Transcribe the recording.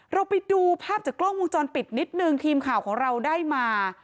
เราไปดูภาพจากกล้องวงจรปิดนิดนึงทีมข่าวของเราได้มา